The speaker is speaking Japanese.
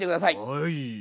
はい！